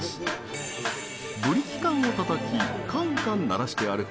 ブリキ缶をたたきカンカン鳴らして歩く